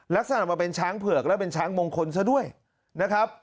ลักษณะมาเป็นช้างเผือกและเป็นช้างมงคลซะด้วยนะครับ